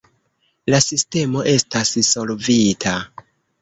La sistemo estas solvita.